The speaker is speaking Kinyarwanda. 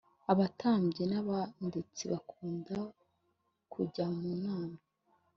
abatambyi n ‘abanditsi bakunda kujyamunama.